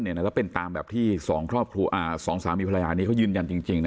แล้วเป็นตามแบบที่สองสามีภรรยานี้เขายืนยันจริง